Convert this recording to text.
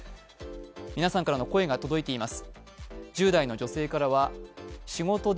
皆さんからの声が届いています。